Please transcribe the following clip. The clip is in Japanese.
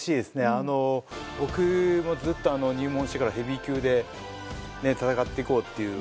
あの僕もずっと入門してからヘビー級で戦っていこうっていう思いがあって。